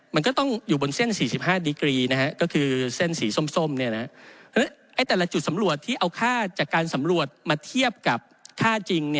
มันก็ต้องอยู่บนเส้น๔๕ดิกรีก็คือเส้นสีส้มเนี่ยนะ